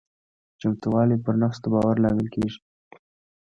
چمتووالی پر نفس د باور لامل کېږي.